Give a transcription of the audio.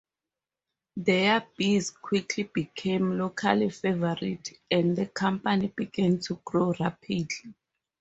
Their beers quickly became local favorites, and the company began to grow rapidly.